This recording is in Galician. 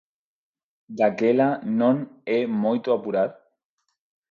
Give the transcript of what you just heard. Daquela non é moito apurar?